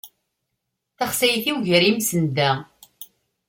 Taxsayt-iw gar yimsenda.